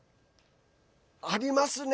ありますね。